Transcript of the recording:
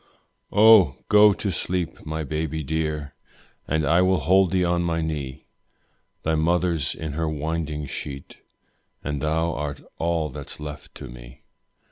Oh! go to sleep, my baby dear, And I will hold thee on my knee; Thy mother's in her winding sheet, And thou art all that's left to me.